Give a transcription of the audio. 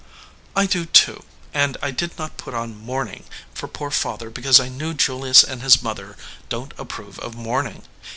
"I do, too, and I did not put on mourning for poor father because I knew Julius and his mother don t approve of mourning.